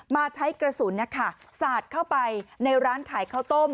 มาใช้กระสุนสาดเข้าไปในร้านขายข้าวต้ม